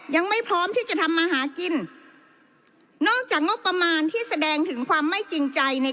ยังไม่พร้อมที่จะทำมาหากินนอกจากงบประมาณที่แสดงถึงความไม่จริงใจใน